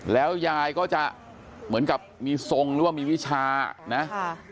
แล้วยายก็จะเหมือนกับมีทรงหรือว่ามีวิชานะ